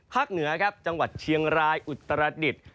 เหนือครับจังหวัดเชียงรายอุตรดิษฐ์